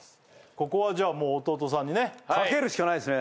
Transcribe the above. ここはじゃあもう弟さんにねかけるしかないですね